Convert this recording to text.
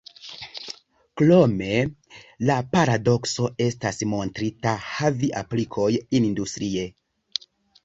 Krome, la paradokso estas montrita havi aplikoj industrie.